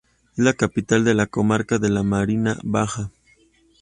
Es la capital de la comarca de la Marina Baja.